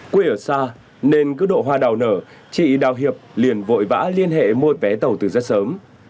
quê ở xa nên cứ độ hoa đào nở chị đào hiệp liền liền vội vã liên hệ mua vé tàu từ rất sớm